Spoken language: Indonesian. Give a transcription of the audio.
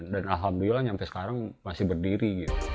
dan alhamdulillah sampai sekarang masih berdiri